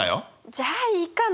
じゃあいいかな。